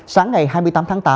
sáng ngày hai mươi tám tháng tám